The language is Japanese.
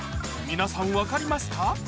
皆さん分かりますか？